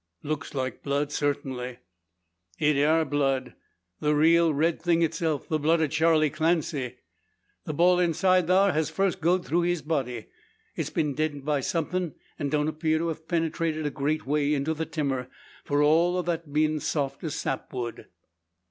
"Looks like blood, certainly." "It air blood the real red thing itself; the blood o' Charley Clancy. The ball inside thar' has first goed through his body. It's been deadened by something and don't appear to hev penetrated a great way into the timmer, for all o' that bein' soft as sapwood."